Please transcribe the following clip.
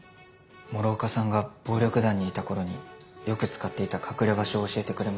諸岡さんが暴力団にいた頃によく使っていた隠れ場所を教えてくれました。